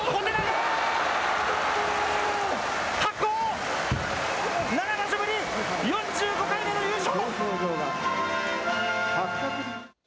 白鵬、７場所ぶり、４５回目の優勝！